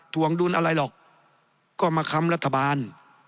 วงดุลอะไรหรอกก็มาค้ำรัฐบาล